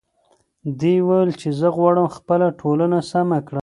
دې وویل چې زه غواړم خپله ټولنه سمه کړم.